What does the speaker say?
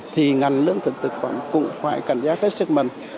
thì ngành lưỡng thực thực phẩm cũng phải cản giác hết sức mạnh